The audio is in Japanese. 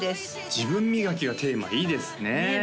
自分磨きがテーマいいですねねえ